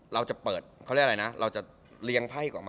เราจะเรียงไปกับเรียนประทับ